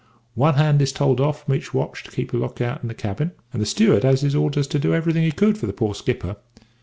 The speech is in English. One hand is told off from each watch to keep a look out in the cabin; and the steward has his orders to do everything he could for the poor skipper.